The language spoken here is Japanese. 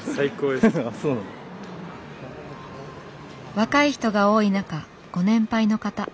若い人が多い中ご年配の方。